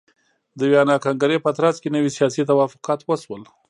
د ویانا کنګرې په ترڅ کې نوي سیاسي توافقات وشول.